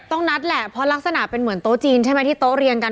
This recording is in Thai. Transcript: ต้องนัดแหละเพราะลักษณะเป็นเหมือนโต๊ะจีนใช่ไหมที่โต๊ะเรียงกัน